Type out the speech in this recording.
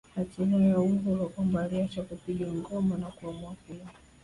Hatimaye Awilo Longomba aliacha kupiga ngoma na kuamua kuimba